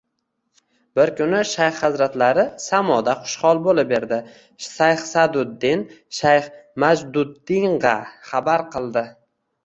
Bir kunki, shayx hazratlari samoʻda xushhol boʻlib erdi, shayx Saʼduddin shayx Majduddingʻa xabar qildi